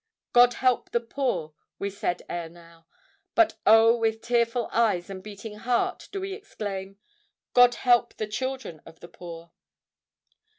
"God help the poor," we said ere now: but, Oh! with tearful eyes and beating heart do we exclaim—"God help the children of the poor!"